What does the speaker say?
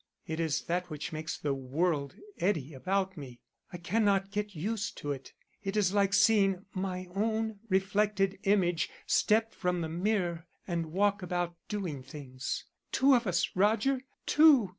_ It is that which makes the world eddy about me. I cannot get used to it. It is like seeing my own reflected image step from the mirror and walk about doing things. Two of us, Roger, two!